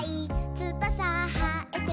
「つばさはえても」